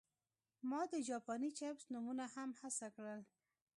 ما د جاپاني چپس نومونه هم هڅه کړل